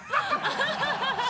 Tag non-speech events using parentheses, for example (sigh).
ハハハ (laughs)